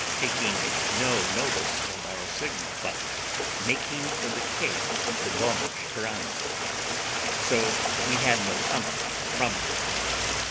taking no notice of our signal, but making for the Cape de Bona Speranza; so we had no comfort from her.